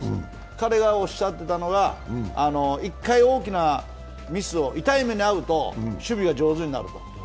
彼がおっしゃっていたのが１回大きなミス、痛い目に遭うと守備が上手になると。